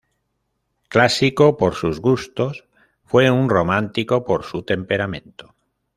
Clásico por sus gustos, fue un romántico por su temperamento.